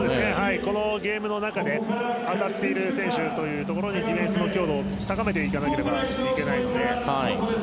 このゲームの中で当たっている選手というところでディフェンスの強度を高めていかなければいけないので。